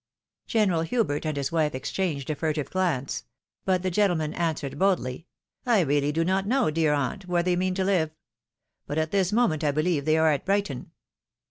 General Hubert and his wife exchanged a furtive glance ; 146 THE WIDOW MAEKIED. but the gentleman answered boldly, " I really do not know, dear aunt, where they mean to live ; but at this moment, I believe, they are at Brighton."